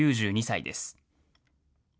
９２歳です。